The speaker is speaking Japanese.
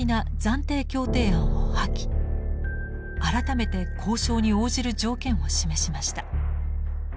改めて交渉に応じる条件を示しました。